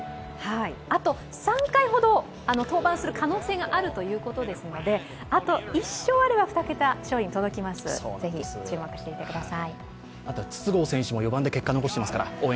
あと３回ほど登板する可能性があるということですのであと１勝あれば２桁勝利に届きます、ぜひ注目してください。